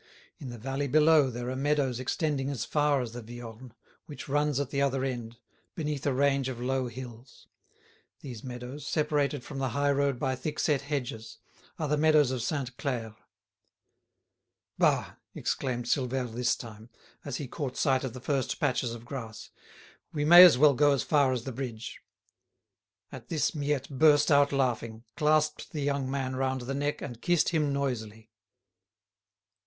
In the valley below there are meadows extending as far as the Viorne, which runs at the other end, beneath a range of low hills. These meadows, separated from the high road by thickset hedges, are the meadows of Sainte Claire. "Bah!" exclaimed Silvère this time, as he caught sight of the first patches of grass: "we may as well go as far as the bridge." At this Miette burst out laughing, clasped the young man round the neck, and kissed him noisily.